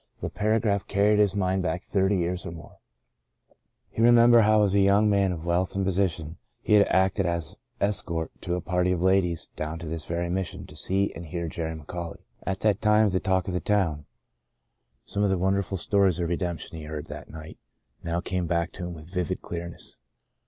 The paragraph carried his mind back thirty years or more. He remembered 74 Iiito a Far Country how as a young man of wealth and position he had acted as escort to a party of ladies down to this very Mission to see and hear Jerry McAuley, at that time the talk of the town. Some of the wonderful stories of re demption he heard that night now came back to him with vivid clearness.